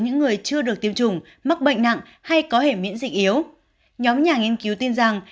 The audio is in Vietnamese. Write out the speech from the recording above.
những người chưa được tiêm chủng mắc bệnh nặng hay có hệ miễn dịch yếu nhóm nhà nghiên cứu tin rằng